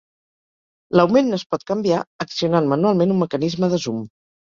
L'augment es pot canviar accionant manualment un mecanisme de zoom.